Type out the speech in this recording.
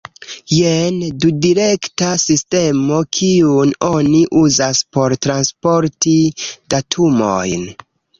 Jen dudirekta sistemo, kiun oni uzas por transporti datumojn.